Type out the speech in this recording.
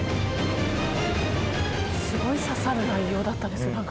すごい刺さる内容だったです。